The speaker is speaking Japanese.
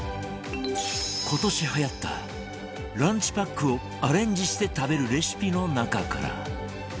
今年はやったランチパックをアレンジして食べるレシピの中から